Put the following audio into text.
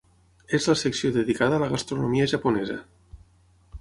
És la secció dedicada a la gastronomia japonesa.